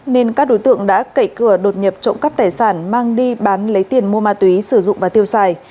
nên các đối tượng đã cậy cửa đột nhập trộm cắp tài sản mang đi bán lấy tiền mua ma túy sử dụng và tiêu xài